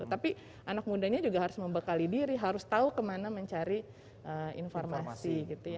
tapi anak mudanya juga harus membekali diri harus tahu kemana mencari informasi